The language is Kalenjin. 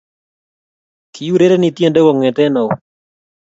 Kiurereni tyendo kongete au?